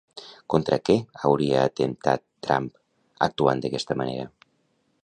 Contra què hauria atemptat, Trump, actuant d'aquesta manera?